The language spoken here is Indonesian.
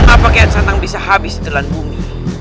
apa kian santang bisa habis di telan bumi